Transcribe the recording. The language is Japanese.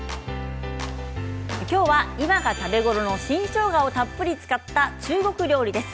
今が食べ頃の新しょうがをたっぷり使った中国料理です。